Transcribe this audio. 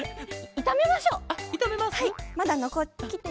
いためましょう。